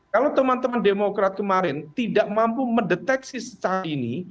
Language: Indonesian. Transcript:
kalau teman teman demokrat kemarin tidak mampu mendeteksi secara ini